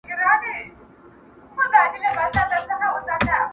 نه په زړه رازونه پخواني لري،